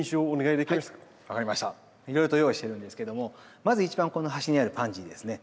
いろいろと用意してるんですけどもまず一番この端にあるパンジーですね。